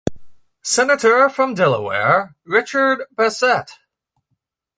Senator from Delaware, Richard Bassett.